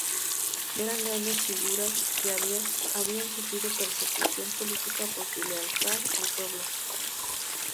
Eran grandes figuras que habían sufrido persecución política por su lealtad al pueblo.